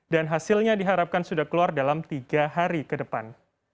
dan hasilnya diharapkan sudah keluar dalam tiga hari ke depan